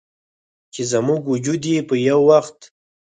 چې زموږ وجود یې په یوه وخت